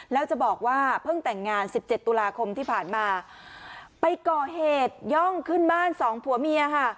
แล้วจะบอกว่าเพิ่งแต่งงานสิบเจ็ดตุลาคมที่ผ่านมาไปก่อเหตุย่องขึ้นบ้านสองผัวเมียค่ะ